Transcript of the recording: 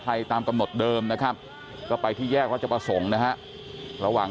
ตามกำหนดเดิมนะครับก็ไปที่แยกราชประสงค์นะฮะระหว่าง